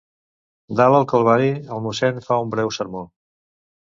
Dalt al Calvari el mossèn fa un breu sermó.